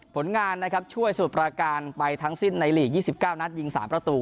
ผลงานช่วยสมุทรปราการไปทั้งสิ้นในลีก๒๙นัดยิงสารประตู